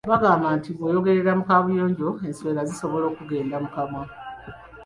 "Bagamba nti bw’oyogerera mu kaabuyonjo, enswera zisobola okukugenda mu kamwa."